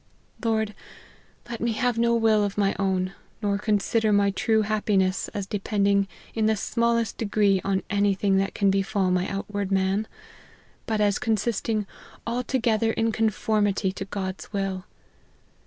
Lord, let me have no will of my own ; nor consider my true happiness as depending in the smallest degree on any thing that can befall my outward man ; but as consisting altogether in conformity to God's will.